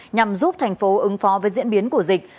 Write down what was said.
nhằm giúp thành phố ứng phó với diễn biến của dịch